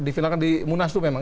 difilalkan di munaslup memang